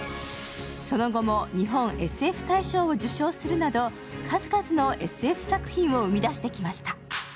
その後も日本ＳＦ大賞を受賞するなど数々のＳＦ作品を生み出してきました。